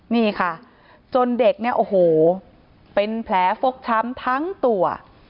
นี่ค่ะจนเด็กเนี่ยโอ้โหเป็นแผลฟกช้ำทั้งตัว